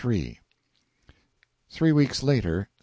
Three weeks later.